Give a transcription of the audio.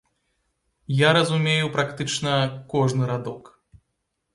Я разумею практычна кожны радок.